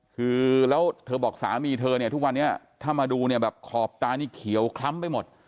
คือแล้วเธอบอกสามีเธอเนี่ยทุกวันนี้ถ้ามาดูเนี่ยแบบขอบตานี่เขียวคล้ำไปหมด